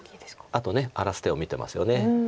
あと荒らす手を見てますよね。